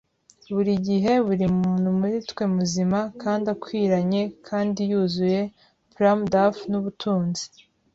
burigihe, buri muntu muri twe muzima, kandi akwiranye, kandi yuzuye plum-duff, nubutunzi